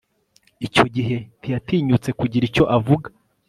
Icyo gihe ntiyatinyutse kugira icyo avuga